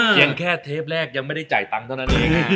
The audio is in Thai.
แค่เทปแรกยังไม่ได้จ่ายตังค์เท่านั้นเอง